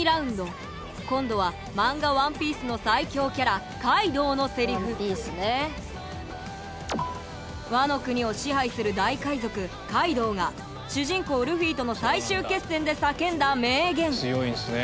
今度はマンガ「ＯＮＥＰＩＥＣＥ」の最恐キャラカイドウのセリフワノ国を支配する大海賊カイドウが主人公ルフィとの最終決戦で叫んだ名言